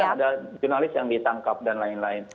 ada jurnalis yang ditangkap dan lain lain